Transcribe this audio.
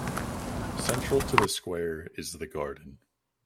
Central to the Square is the garden.